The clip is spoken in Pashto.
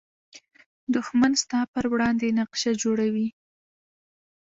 دښمن ستا پر وړاندې نقشه جوړوي